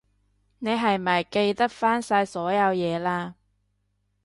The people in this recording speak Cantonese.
你係咪記得返晒所有嘢喇？